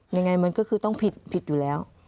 ยังไงมันก็คือต้องผิดอยู่แล้ว